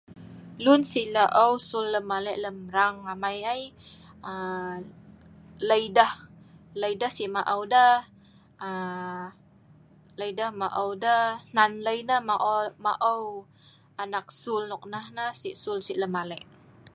lun sik laeu sul lem alek lem rang amai ai aa lei deh. lei deh sik maeu deh aa lei deh maeu deh, hnan lei nah maol maeu anak sul nok nah neh sik sul lem alek